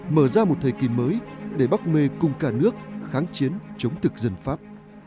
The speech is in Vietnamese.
mở ra một thời kỳ mới để bắc mê cùng cả nước kháng chiến chống thực dân pháp